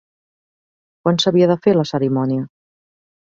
Quan s'havia de fer la cerimònia?